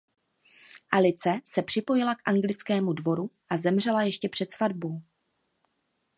Alice se připojila k anglickému dvoru a zemřela ještě před svatbou.